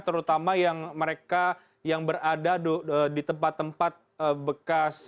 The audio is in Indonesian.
terutama yang mereka yang berada di tempat tempat bekas